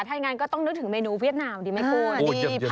ถ้างั้นก็ต้องนึกถึงเมนูเวียดนามดีไหมคุณโอ้ยเยี่ยมเยี่ยมเยี่ยม